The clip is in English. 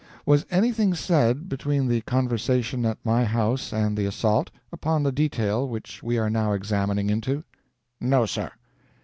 Was anything said, between the conversation at my house and the assault, upon the detail which we are now examining into?" "No, sir."